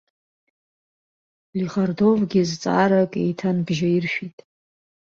Лихардовгьы зҵаарак еиҭанбжьаиршәит.